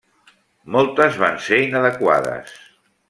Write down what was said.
Moltes van ser inadequades.